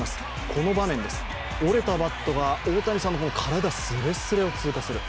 この場面です、折れたバットが大谷さんの体スレスレを通過する。